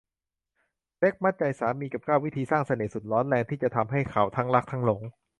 เซ็กส์มัดใจสามี กับ เก้า วิธีสร้างเสน่ห์สุดร้อนแรงที่ทำให้เขาทั้งรักทั้งหลง